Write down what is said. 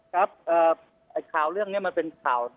ครับข่าวเรื่องนี้มันเป็นข่าว